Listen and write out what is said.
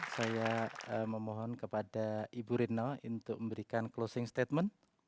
saya memohon kepada ibu ritno untuk memberikan closing statement